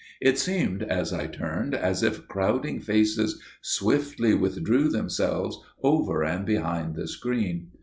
It seemed as I turned as if crowding faces swiftly withdrew themselves over and behind the screen.